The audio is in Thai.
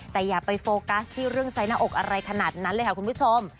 แต่อย่าไปโฟกัสที่เรื่องไซส์หน้าอกอะไรขนาดนั้นเลยค่ะคุณผู้ชม